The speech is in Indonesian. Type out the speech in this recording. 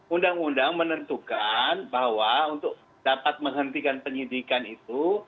undang undang menentukan bahwa untuk dapat menghentikan penyidikan itu